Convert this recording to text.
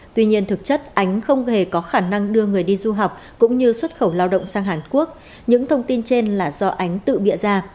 tuy nhiên thực chất ánh không hề có khả năng đưa người đi du học cũng như xuất khẩu lao động sang hàn quốc những thông tin trên là do ánh tự bịa ra